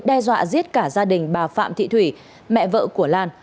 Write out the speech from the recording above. đe dọa giết cả gia đình bà phạm thị thủy mẹ vợ của lan